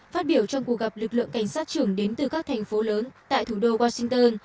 phát biểu trong cuộc gặp lực lượng cảnh sát trưởng đến từ các thành phố lớn tại thủ đô washington